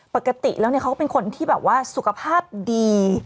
ปกติแล้วเขาก็เป็นคนที่แบบว่าสุขภาพดี